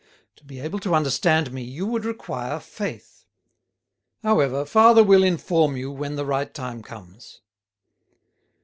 To be able to understand me you would require faith. However, father will inform you when the right time comes."